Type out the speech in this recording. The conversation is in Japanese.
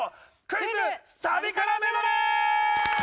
クイズ！サビカラメドレー！